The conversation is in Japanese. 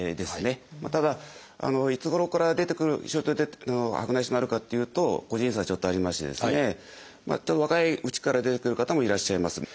ただいつごろから出てくる白内障になるかっていうと個人差はちょっとありましてですね若いうちから出てくる方もいらっしゃいます。